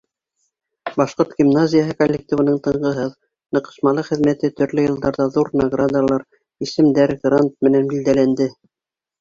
Башҡорт гимназияһы коллективының тынғыһыҙ, ныҡышмалы хеҙмәте төрлө йылдарҙа ҙур наградалар, исемдәр, грант менән билдәләнде.